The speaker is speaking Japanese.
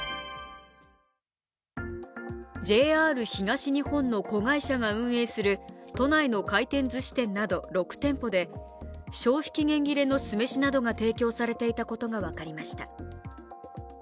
ＪＲ東日本の子会社が運営する都内の回転ずし店など６店舗で消費期限切れの酢飯などが提供されていたことが分かりました。